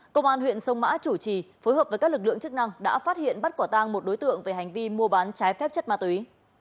công an huyện sông mã chủ trì phối hợp với các lực lượng chức năng đã phát hiện bắt quả tang một đối tượng về hành vi mua bán trái phép chất ma túy